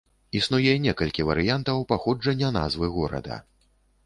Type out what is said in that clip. Існуе некалькі варыянтаў паходжання назвы горада.